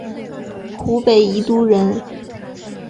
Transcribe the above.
湖北宜都人。